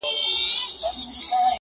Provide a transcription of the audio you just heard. زوی یې پرانیستله خوله ویل بابکه٫